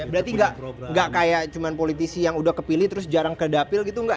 berarti nggak kayak cuma politisi yang udah kepilih terus jarang kedapil gitu nggak ya